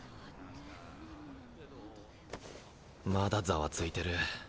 まだざわついてる。